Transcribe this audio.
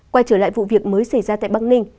quay trở lại vụ việc mới xảy ra tại bắc ninh